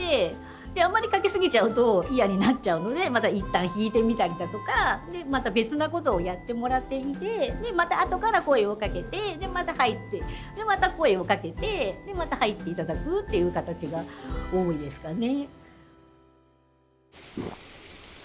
であんまりかけ過ぎちゃうと嫌になっちゃうのでまたいったん引いてみたりだとかでまた別なことをやってもらっていてでまたあとから声をかけてでまた入ってでまた声をかけてまた入って頂くっていう形が多いですかね。